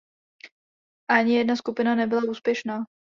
Ani jedna skupina nebyla úspěšná.